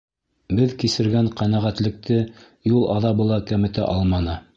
Беҙ кисергән ҡәнәғәтлекте юл аҙабы ла кәметә алманы.